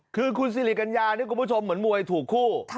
คือคุณสิริกัญญานี่คุณผู้ชมเหมือนมวยถูกคู่